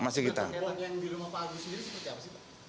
kalau yang di rumah pak agus sendiri seperti apa sih pak